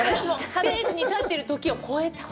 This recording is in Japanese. ステージに立っているときを超えた？